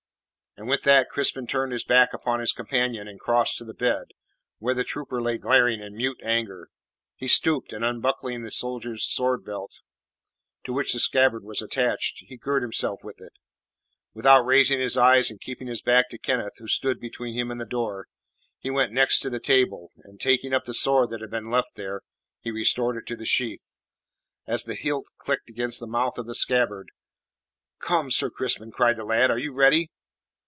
And with that Crispin turned his back upon his companion and crossed to the bed, where the trooper lay glaring in mute anger. He stooped, and unbuckling the soldier's swordbelt to which the scabbard was attached he girt himself with it. Without raising his eyes, and keeping his back to Kenneth, who stood between him and the door, he went next to the table, and, taking up the sword that he had left there, he restored it to the sheath. As the hilt clicked against the mouth of the scabbard: "Come, Sir Crispin!" cried the lad. "Are you ready?"